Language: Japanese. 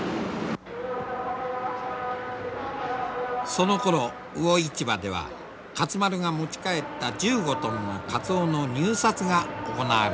そのころ魚市場では勝丸が持ち帰った１５トンのカツオの入札が行われていた。